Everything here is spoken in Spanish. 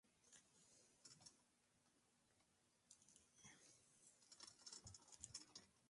Otras veces, se busca poder moverse con libertad y tocar con las dos manos.